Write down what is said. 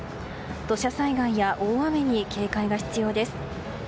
土砂災害や大雨に警戒が必要です。